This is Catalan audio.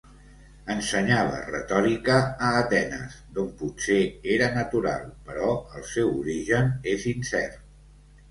Ensenyava retòrica a Atenes, d'on potser era natural, però el seu origen és incert.